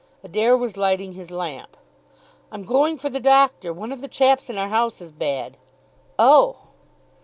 Adair was lighting his lamp. "I'm going for the doctor. One of the chaps in our house is bad." "Oh!"